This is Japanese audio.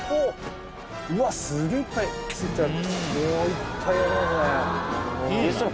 いっぱいありますね。